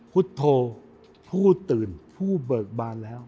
พุทธโธผู้ตื่นผู้เบิกบานแล้ว